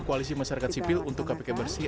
koalisi masyarakat sipil untuk kpk bersih